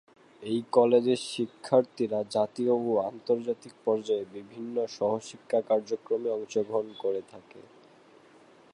এই কলেজের শিক্ষার্থীরা জাতীয় ও আন্তর্জাতিক পর্যায়ে বিভিন্ন সহশিক্ষা কার্যক্রমে অংশগ্রহণ করে থাকে।